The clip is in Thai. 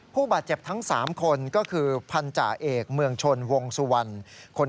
ผู้บาดเจ็บทั้ง๓คนก็คือพันธาเอกเมืองชนวงสุวรรณ